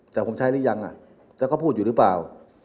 แต่ผมใช้นี่ยังอ่ะเขาก็พูดอยู่หรือเปล่า